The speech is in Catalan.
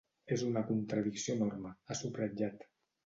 És una contradicció enorme, ha subratllat.